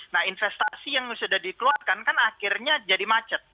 nah investasi yang sudah dikeluarkan kan akhirnya jadi macet